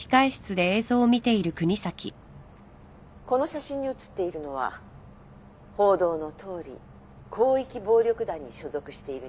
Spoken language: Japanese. この写真に写っているのは報道のとおり広域暴力団に所属している人間です。